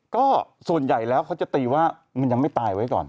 ก็ส่วนใหญ่แล้วเขาจะตีว่ามันยังไม่ตายไว้ก่อน